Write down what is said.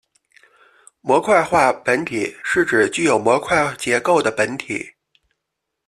模块化本体是指具有模块结构的本体。